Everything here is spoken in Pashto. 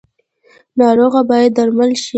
ناروغه باید درمل شي